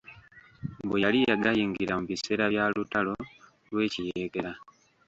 Mbu yali yagayingira mu biseera bya lutalo lw'ekiyeekera.